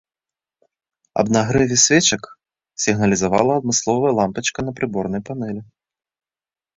Аб нагрэве свечак сігналізавала адмысловая лямпачка на прыборнай панэлі.